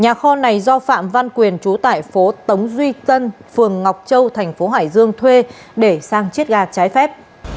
nhà kho này do phạm văn quyền trú tại phố tống duy tân phường ngọc châu thành phố hải dương thuê để sang chiết ga trái phép